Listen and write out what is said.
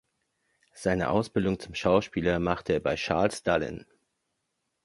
Seine Ausbildung zum Schauspieler machte er bei Charles Dullin.